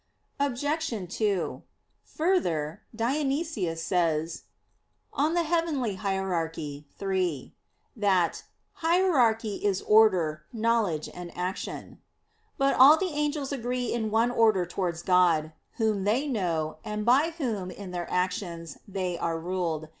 Obj. 2: Further, Dionysius says (Coel. Hier. iii) that "hierarchy is order, knowledge, and action." But all the angels agree in one order towards God, Whom they know, and by Whom in their actions they are ruled.